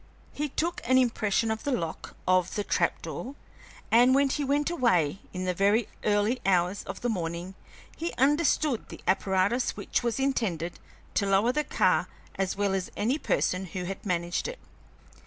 He took an impression of the lock of the trap door, and when he went away in the very early hours of the morning he understood the apparatus which was intended to lower the car as well as any person who had managed it.